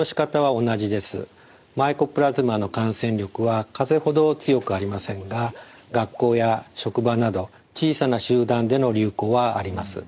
マイコプラズマの感染力はかぜほど強くありませんが学校や職場など小さな集団での流行はあります。